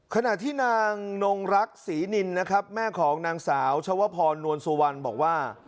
ขณะที่นางนงรักศรีนินนะครับแม่ของนางสาวชวพรนวลสุวรรณบอกว่า